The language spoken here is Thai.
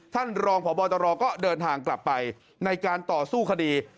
ท่านรองพบตรก็เดินทางกลับไปในการต่อสู้คดี